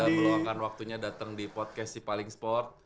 saya sudah meluangkan waktunya datang di podcast sipaling sport